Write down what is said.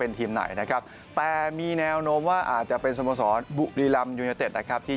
นักเตะสองคู่แฝดทิต